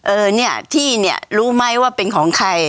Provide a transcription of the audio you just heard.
เออเนี่ยที่เนี่ยรู้ไหมว่าเป็นของใคร